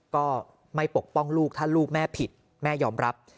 ก็ไม่ปกป้องลูกถ้าลูกแม่ผิดแม่ยอมรับ